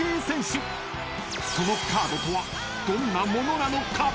［そのカードとはどんなものなのか？］